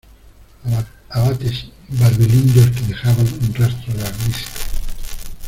abates barbilindos que dejaban un rastro de almizcle